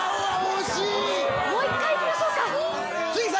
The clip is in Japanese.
もう１回いきましょうか。